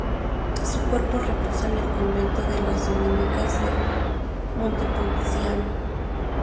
Su cuerpo reposa en el convento de las dominicas de Montepulciano.